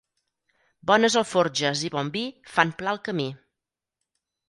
Bones alforges i bon vi fan pla el camí.